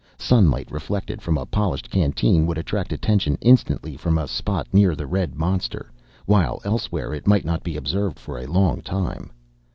Sunlight reflected from a polished canteen would attract attention instantly from a spot near the red monster, while elsewhere it might not be observed for a long time.